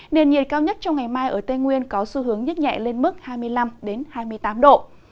nền nhiệt cao nhất trong ngày mai ở tây nguyên có xu hướng nhích nhẹ lên mức hai mươi năm hai mươi tám độ